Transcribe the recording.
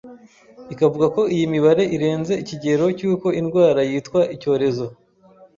ikavuga ko iyi mibare irenze ikigero cy'uko indwara yitwa icyorezo